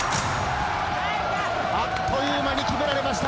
あっという間に決められました。